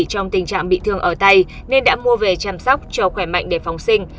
trong tình trạng bị thương ở tay nên đã mua về chăm sóc cho khỏe mạnh để phòng sinh